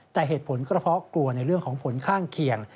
แต่เหตุผลก็เพราะกลัวในเรื่องของผลข้างเคียง